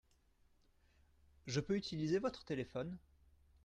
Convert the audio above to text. Je peux utiliser votre téléphone ?